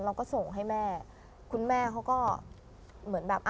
เราก็ส่งให้แม่คุณแม่เขาก็เหมือนแบบอ่ะ